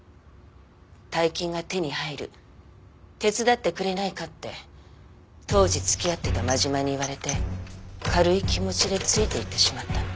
大金が手に入る手伝ってくれないかって当時付き合ってた真島に言われて軽い気持ちでついていってしまったの。